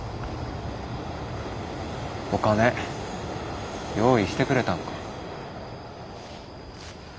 お金用意してくれたんか。